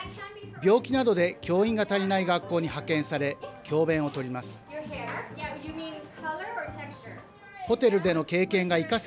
病気などで教員が足りない学校に派遣され、教べんをとります。